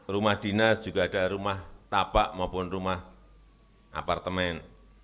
rumah dinas juga ada rumah tapak maupun rumah apartemen